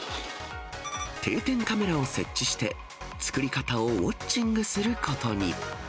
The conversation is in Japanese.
定点カメラを設置して作り方をウォッチングすることに。